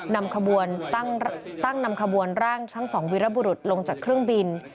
ขบวนตั้งนำขบวนร่างทั้งสองวิรบุรุษลงจากเครื่องบิน